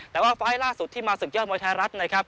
แต่ว่าไฟล์ล่าสุดที่มาศึกยอดมวยไทยรัฐนะครับ